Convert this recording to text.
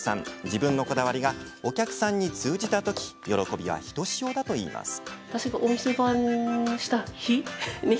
自分のこだわりがお客さんに通じたとき喜びはひとしおだといいます。